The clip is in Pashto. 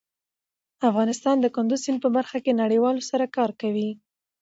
افغانستان د کندز سیند په برخه کې نړیوالو سره کار کوي.